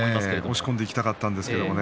押し込んでいきたかったんですが